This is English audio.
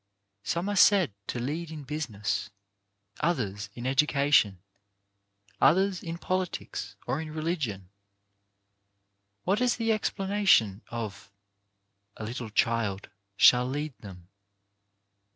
Some are said to lead in business, others in education, others in politics, or in religion. What is the explanation of "A little child shall lead them?"